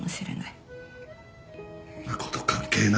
そんなこと関係ない。